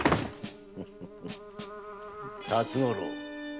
辰五郎